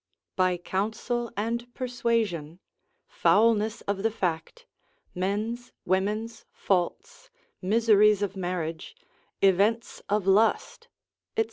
—_By counsel and persuasion, foulness of the fact, men's, women's faults, miseries of marriage, events of lust, &c.